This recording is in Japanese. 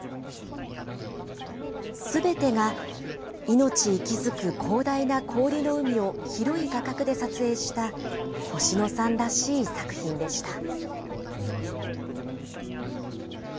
すべてが、命息づく広大な氷の海を広い画角で撮影した、星野さんらしい作品でした。